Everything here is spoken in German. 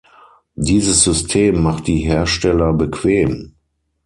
Dieses System macht die Hersteller bequem.